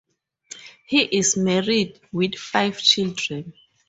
He is married (with five children).